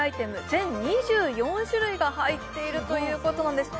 全２４種類が入っているということなんです